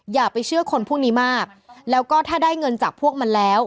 อย่าไปเชื่อคนพวกนี้มากแล้วก็ถ้าได้เงินจากพวกมันแล้ว